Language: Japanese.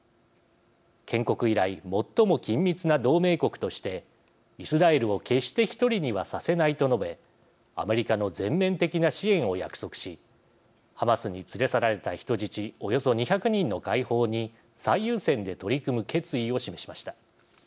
建国以来最も緊密な同盟国としてイスラエルを決して独りにはさせないと述べアメリカの全面的な支援を約束しハマスに連れ去られた人質およそ２００人の解放に最優先で取り組む決意を示しました。